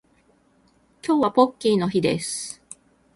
今日はポッキーの日です